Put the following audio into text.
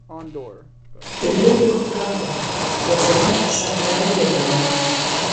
Дырҩегьых уҳахәа, ҳгаӡара шаҳиааило баны.